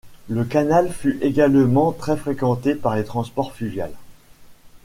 Le canal fut également très fréquenté par le transport fluvial.